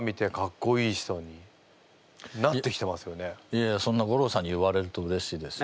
いやいやそんな吾郎さんに言われるとうれしいです。